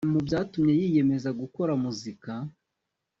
Mu byatumye yiyemeza gukora muzika